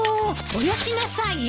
およしなさいよ！